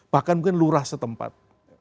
bahkan mungkin lurah setempat